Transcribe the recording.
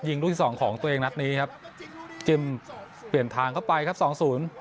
ลูกที่สองของตัวเองนัดนี้ครับจึงเปลี่ยนทางเข้าไปครับสองศูนย์